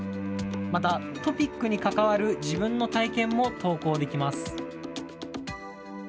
また、トピックに関わる自分の体験も投稿できます。